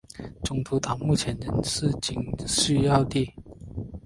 中途岛目前仍是军事要地。